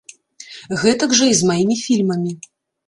Гэтак жа і з маімі фільмамі.